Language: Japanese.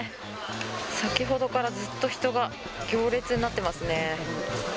先ほどからずっと人が行列になってますね。